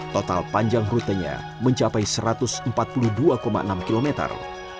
total panjang rutenya mencapai satu ratus empat puluh dua enam kilometer